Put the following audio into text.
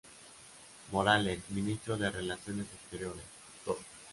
Morales; Ministro de Relaciones Exteriores, Dr.